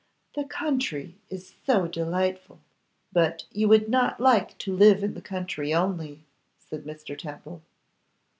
'The country is so delightful.' 'But you would not like to live in the country only,' said Mr. Temple.